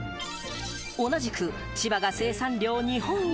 同じく千葉が生産量日本一！